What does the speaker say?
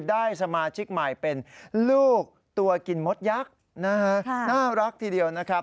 ได้สมาชิกใหม่เป็นลูกตัวกินมดยักษ์นะฮะน่ารักทีเดียวนะครับ